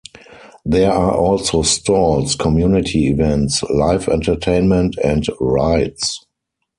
There are also stalls, community events, live entertainment, and rides.